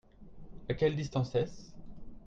À quelle distance est-ce ?